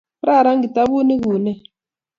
Kararan kitabut ni kunee!